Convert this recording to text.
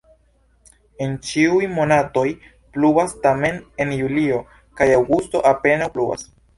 En ĉiuj monatoj pluvas, tamen en julio kaj aŭgusto apenaŭ pluvas.